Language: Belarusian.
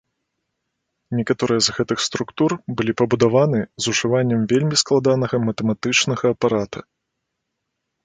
Некаторыя з гэтых структур былі пабудаваны з ужываннем вельмі складанага матэматычнага апарата.